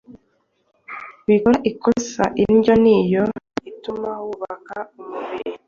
Wikora ikosa; indyo niyo ituma wubaka umubiri